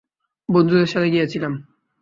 বন্ধুদের সাথে গিয়েছিলাম।